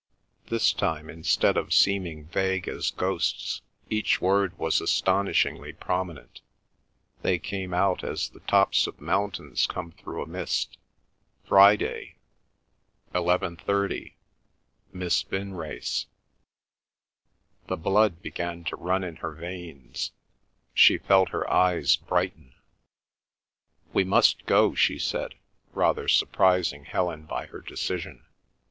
This time, instead of seeming vague as ghosts, each word was astonishingly prominent; they came out as the tops of mountains come through a mist. Friday—eleven thirty—Miss Vinrace. The blood began to run in her veins; she felt her eyes brighten. "We must go," she said, rather surprising Helen by her decision.